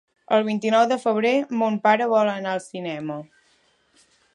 El vint-i-nou de febrer mon pare vol anar al cinema.